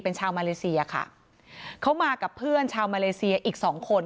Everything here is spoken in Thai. เป็นชาวมาเลเซียค่ะเขามากับเพื่อนชาวมาเลเซียอีกสองคน